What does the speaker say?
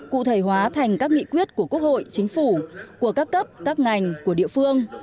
cụ thể hóa thành các nghị quyết của quốc hội chính phủ của các cấp các ngành của địa phương